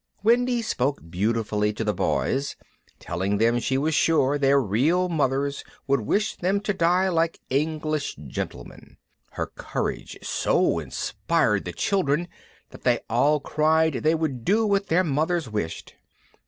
Wendy spoke beautifully to the Boys, telling them she was sure their real mothers would wish them to die like English gentlemen. Her courage so inspired the children that they all cried they would do what their mothers wished.